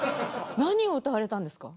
何を歌われたんですか？